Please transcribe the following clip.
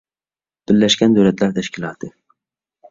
بىرلەشكەن دۆلەتلەر تەشكىلاتى